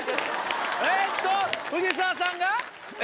えっと藤澤さんが？